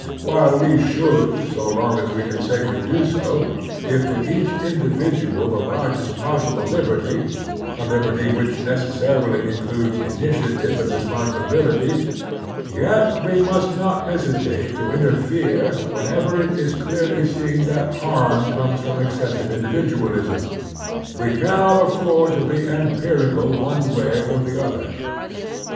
While we should, so long as we can safely do so, give to each indi vidual the largest possible liberty, a liberty which necessarily includes initiative and responsibility, yet we must not hesitate to interfere whenever it is clearly seen that harm comes from excessive individualism. We cannot afford to be empirical one way or the other.